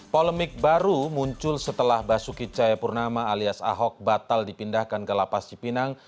polemik baru muncul setelah basuki cayapurnama alias ahok batal dipindahkan ke lapas cipinang